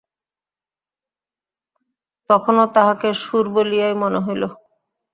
তখনো তাহাকে সুর বলিয়াই মনে হইল।